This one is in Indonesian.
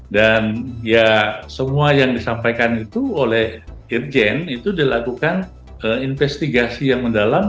dan ya semua yang disampaikan itu oleh irjen itu dilakukan investigasi yang mendalam